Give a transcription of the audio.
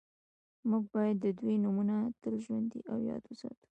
موږ باید د دوی نومونه تل ژوندي او یاد وساتو